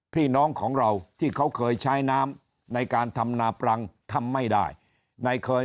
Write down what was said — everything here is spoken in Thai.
พี่น้องของเราที่เขาเคยใช้น้ำในการทำนาปรังทำไม่ได้ในเคย